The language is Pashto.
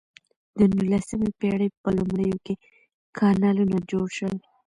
د نولسمې پیړۍ په لومړیو کې کانالونه جوړ شول.